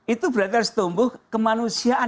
itu berarti harus tumbuh kemanusiaan